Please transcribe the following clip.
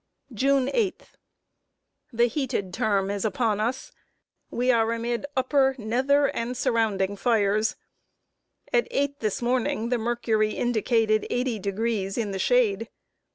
June 8. The heated term is upon us. We are amid upper, nether, and surrounding fires. At eight, this morning, the mercury indicated eighty degrees in the shade.